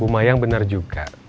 bu mayang benar juga